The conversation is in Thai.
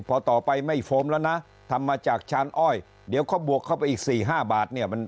พอต่อไปไม่โฟมแล้วนะทำมาจากชานอ้อยเดี๋ยวเขาบวกเข้าไปอีก๔๕บาทเนี่ย